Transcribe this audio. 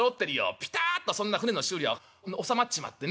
ぴたっとそんな船の修理はおさまっちまってね